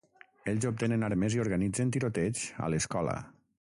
Ells obtenen armes i organitzen tiroteigs a l'escola.